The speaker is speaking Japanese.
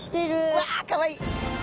うわかわいい！